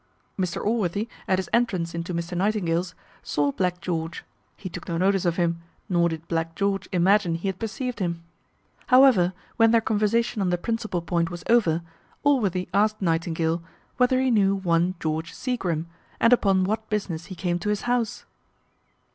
Mr Allworthy, at his entrance into Mr Nightingale's, saw Black George; he took no notice of him, nor did Black George imagine he had perceived him. However, when their conversation on the principal point was over, Allworthy asked Nightingale, Whether he knew one George Seagrim, and upon what business he came to his house?